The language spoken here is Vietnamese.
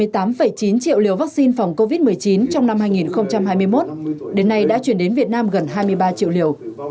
trong chín triệu liều vaccine phòng covid một mươi chín trong năm hai nghìn hai mươi một đến nay đã chuyển đến việt nam gần hai mươi ba triệu liều